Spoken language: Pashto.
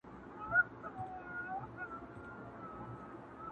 چي په پاڼو د تاریخ کي لوستلې،